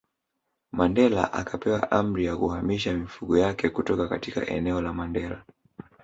Mandela akapewa amri ya kuhamisha mifugo yake kutoka katika eneo la Mandela